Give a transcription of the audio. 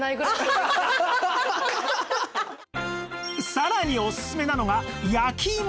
さらにおすすめなのが焼きいも